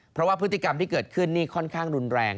เพราะว่าพฤติกรรมที่เกิดขึ้นนี่ค่อนข้างรุนแรง